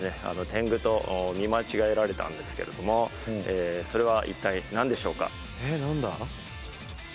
天狗と見間違えられたんですけれどもそれは一体なんでしょうか？